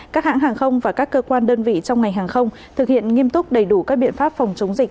các hãng hàng không và các cơ quan đơn vị trong ngành hàng không thực hiện nghiêm túc đầy đủ các biện pháp phòng chống dịch